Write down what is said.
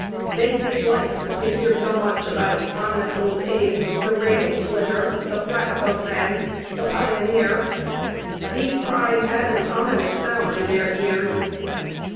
They disliked to hear so much about "honest Old Abe," "the rail splitter," "the flat boatman," "the pioneer." These cries had an ominous sound in their ears.